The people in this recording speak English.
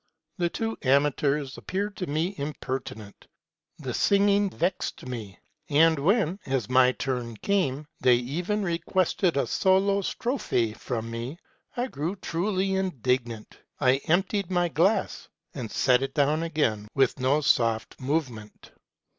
The two amateurs appeared to me impertinent ; the 240 MEISTER'S' TRAVELS. singing vexed me ; and when, as my turn came, they even re quested a solo strophe from me, I grew truly indignant : I emp tied my glass, and set it down again with no soft movement.